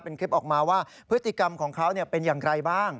เป็นคลิปออกมาว่าพฤติกรรมของเขาเป็นอย่างไรบ้าง